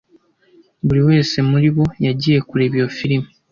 Buri wese muri bo yagiye kureba iyo firime.